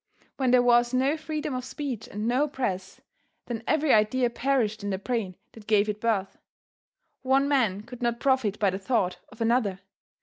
When there was no freedom of speech and no press, then every idea perished in the brain that gave it birth. One man could not profit by the thought of another.